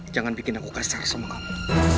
jangan bikin aku kasar sama kamu